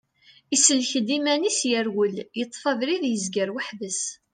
Isellek-d iman-is, yerwel, yeṭṭef abrid, yezger weḥd-s.